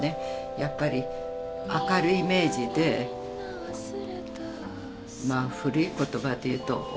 やっぱり明るいイメージでまあ古い言葉で言うとお天道様